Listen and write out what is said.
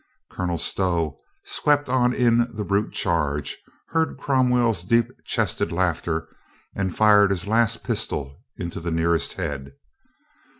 Colonel Stow, swept on in that brute charge, heard Cromwell's deep chested laughter and fired his last pistol into the nearest head.